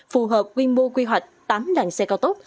phù hợp quy mô quy hoạch tám làng xe cao tốc